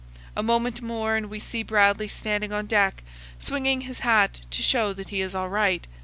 A moment more, and we see Bradley standing on deck, swinging his hat to show that he is all right.